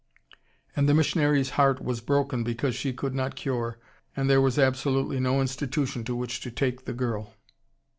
and the missionary's heart was broken because she could not cure and there was absolutely no institution to which to take the girl.